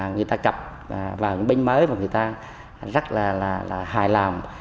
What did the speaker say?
người ta cập vào những bên mới và người ta rất là hài lòng